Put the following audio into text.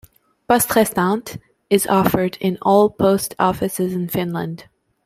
"Poste restante" is offered in all post offices in Finland.